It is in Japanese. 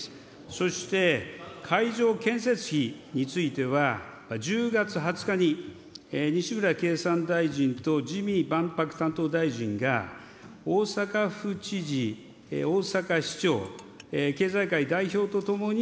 そして会場建設費については、１０月２０日に西村経産大臣と自見万博大臣が、大阪府知事、大阪市長、経済界代表とともに、